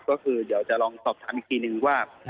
ก็คือเดี๋ยวจะลองสอบถามอีกทีนึงว่า